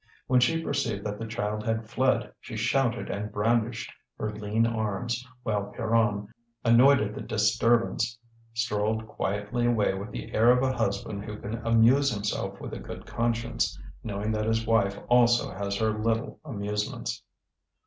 When she perceived that the child had fled, she shouted and brandished her lean arms, while Pierron, annoyed at the disturbance, strolled quietly away with the air of a husband who can amuse himself with a good conscience, knowing that his wife also has her little amusements.